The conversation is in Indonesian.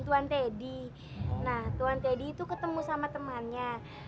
nah tuan teddy itu ketemu sama temannya